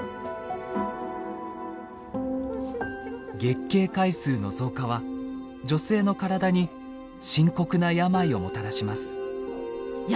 月経回数の増加は女性の体に深刻な病をもたらします。